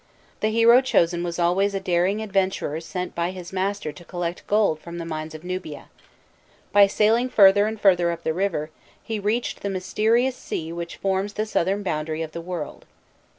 The hero chosen was always a daring adventurer sent by his master to collect gold from the mines of Nubia; by sailing further and further up the river, he reached the mysterious sea which forms the southern boundary of the world.